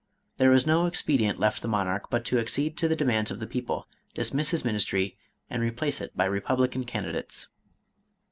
There was no expedient left the monarch, but to accede to the demands of the people, dismiss his ministry, and replace it by Eepublican candidates.